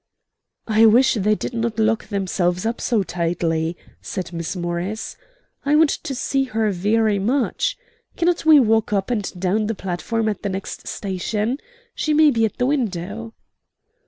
"I wish they did not lock themselves up so tightly," said Miss Morris. "I want to see her very much. Cannot we walk up and down the platform at the next station? She may be at the window."